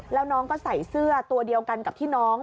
แล้วน้องก็ใส่เสื้อตัวเดียวกันกับที่น้อง